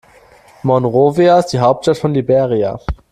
Monrovia ist die Hauptstadt von Liberia.